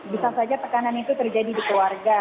bisa saja tekanan itu terjadi di keluarga